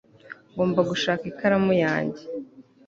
ngomba gushaka ikaramu yanjye